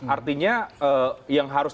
artinya yang harus